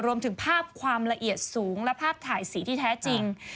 รวมถึงภาพความละเอียดสูงและภาพถ่ายสีที่แท้จริง